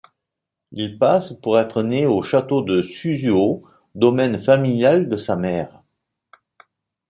Il passe pour être né au château de Suzuo, domaine familial de sa mère.